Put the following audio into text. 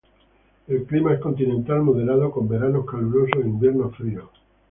El clima es continental moderado, con veranos calurosos e inviernos fríos.